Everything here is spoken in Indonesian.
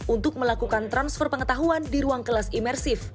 untuk melakukan transfer pengetahuan di ruang kelas imersif